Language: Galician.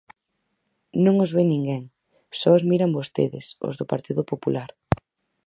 Non os ve ninguén, só os miran vostedes, os dos Partido Popular.